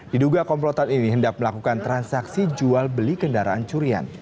diduga komplotan ini hendak melakukan transaksi jual beli kendaraan curian